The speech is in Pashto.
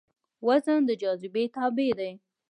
وزن د جاذبې تابع دی.